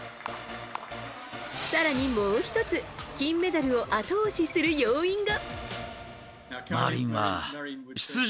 更に、もう１つ金メダルを後押しする要因が。